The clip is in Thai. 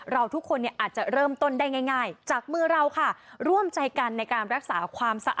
เราทุกคนอาจจะเริ่มต้นได้ง่ายจากมือเราค่ะร่วมใจกันในการรักษาความสะอา